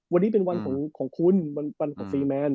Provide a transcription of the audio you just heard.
วันนี้เป็นวันของของคุณวันสิมัน